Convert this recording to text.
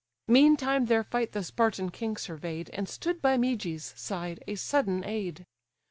Meantime their fight the Spartan king survey'd, And stood by Meges' side a sudden aid.